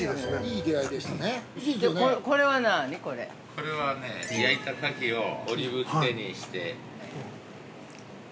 ◆これはね、焼いた牡蠣をオリーブ漬けにして。